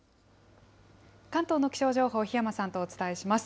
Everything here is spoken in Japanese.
関東の気象情報、檜山さんとお伝えします。